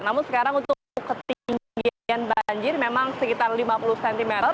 namun sekarang untuk ketinggian banjir memang sekitar lima puluh cm